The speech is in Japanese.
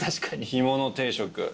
干物定食。